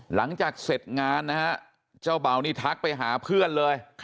หลังจากเสร็จงานนะฮะเจ้าเบานี่ทักไปหาเพื่อนเลย